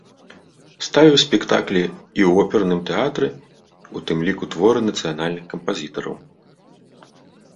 Ставіў спектаклі і ў оперным тэатры, у тым ліку творы нацыянальных кампазітараў.